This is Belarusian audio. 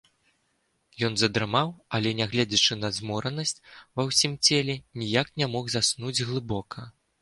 Ён задрамаў, але, нягледзячы на зморанасць ува ўсім целе, ніяк не мог заснуць глыбока.